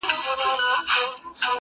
اوس چي راسي خو په څنګ را نه تېرېږي,